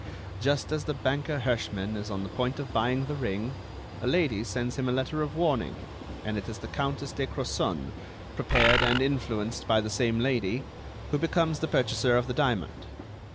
Just as the banker Herschmann is on the point of buying the ring, a lady sends him a letter of warning, and it is the Countess de Crozon, prepared and influenced by the same lady, who becomes the purchaser of the diamond.